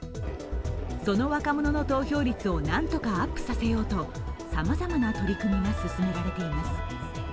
その若者の投票率を何とかアップさせようとさまざまな取り組みが進められています。